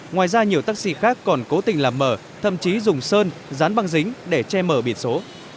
ngoài ra nhiều taxi khác còn cố tình làm mở thậm chí dùng sơn dán băng dính để che mở biển số